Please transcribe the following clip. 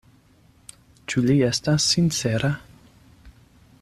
Ĉu li estas sincera?